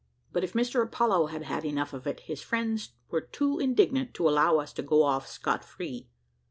But if Mr Apollo had had enough of it, his friends were too indignant to allow us to go off scot free.